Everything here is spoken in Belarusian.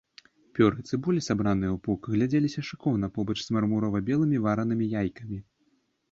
Пёры цыбулі, сабраныя ў пук, глядзеліся шыкоўна побач з мармурова-белымі варанымі яйкамі.